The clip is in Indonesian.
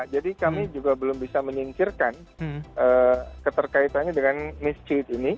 jadi kami juga belum bisa menyingkirkan keterkaitannya dengan mischi ini